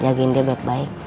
jagain dia baik baik